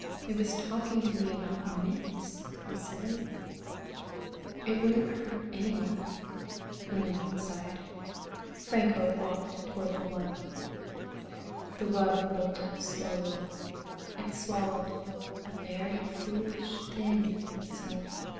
"It was talking to me about myths," he said. "It wouldn't hurt anyone." He went outside. Franco walked toward the wub. The wub looked up slowly. It swallowed. "A very foolish thing," it said.